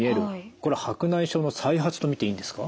これ白内障の再発と見ていいんですか？